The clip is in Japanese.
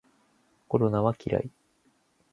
コロナは嫌い